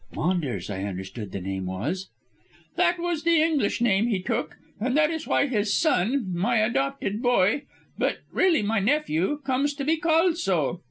"Maunders, I understood the name was." "That was the English name he took, and that is why his son my adopted boy, but really my nephew comes to be called so.